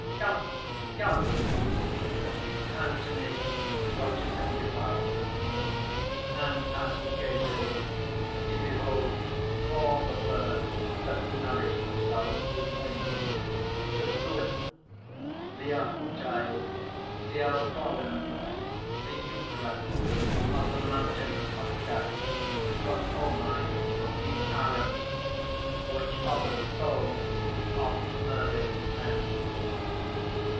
"Gallop! Gallop!" (Anthony watches him depart. _And as he gazes he beholds all the birds that nourish themselves with wind: the Gouith, the Ahuti, the Alphalim, the Iukneth, of the mountains of Kaf, the homai of the Arabs which are the souls of murdered men.